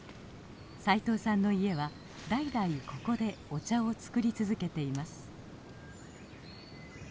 斉藤さんの家は代々ここでお茶を作り続けています。